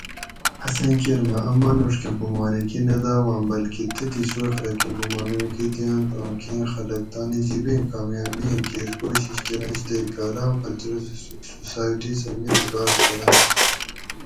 اسیں کیر مہ ا مانوڛ کہ بُمارکی نہ داواۤں بلکہ تتھی سوئے خلق کہ بُمارکی دئینت اوں کیں خلق تانی جِبیں کامیابئیں کیر کوشش کۤرنش تے کالام کلچرل سوسائٹی سہ ملی کار کۤرنت